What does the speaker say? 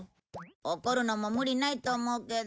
怒るのも無理ないと思うけど。